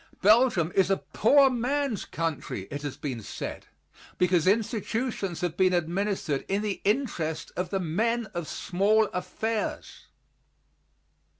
Belgium is a poor man's country, it has been said, because institutions have been administered in the interest of the men of small affairs.